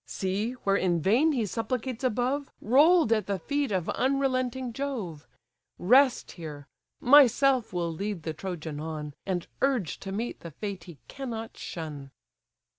See, where in vain he supplicates above, Roll'd at the feet of unrelenting Jove; Rest here: myself will lead the Trojan on, And urge to meet the fate he cannot shun."